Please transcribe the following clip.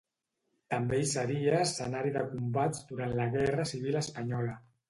També hi seria escenari de combats durant la Guerra Civil espanyola.